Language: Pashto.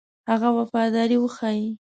هغه وفاداري وښيي.